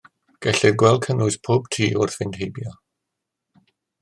Gellir gweld cynnwys pob tŷ wrth fynd heibio.